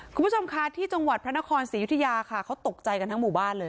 คุณผู้ชมค่ะที่จังหวัดพระนครศรียุธยาค่ะเขาตกใจกันทั้งหมู่บ้านเลย